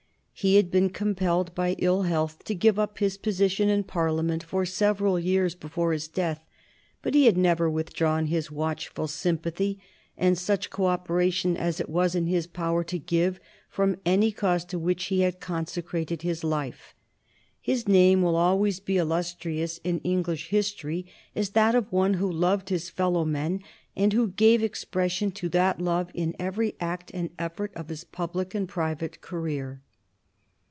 He had been compelled by ill health to give up his position in Parliament for several years before his death, but he had never withdrawn his watchful sympathy and such co operation as it was in his power to give from any cause to which he had consecrated his life. His name will always be illustrious in English history as that of one who loved his fellow men and who gave expression to that love in every act and effort of his public and private career.